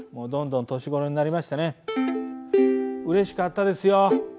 うれしかったですよ。